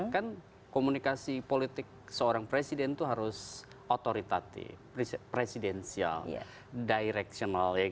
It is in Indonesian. kan komunikasi politik seorang presiden itu harus otoritatif presidensial directional